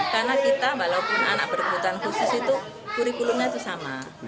karena kita walaupun anak berkebutuhan khusus itu kurikulumnya itu sama